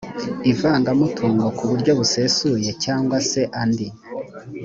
ivanga mutungo ku buryo busesuye cyangwa se andi